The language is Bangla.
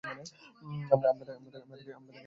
আমরা তাকে চিনতে পারলাম না।